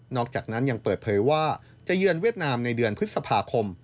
อกจากนั้นยังเปิดเผยว่าจะเยือนเวียดนามในเดือนพฤษภาคม